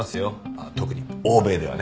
あっ特に欧米ではね。